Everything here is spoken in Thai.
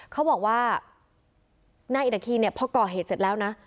เขาบอกว่านายอิตาคีเนี่ยพอก่อเหตุเสร็จแล้วนะ